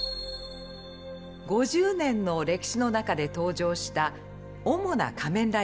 ５０年の歴史の中で登場した主な仮面ライダーたちです。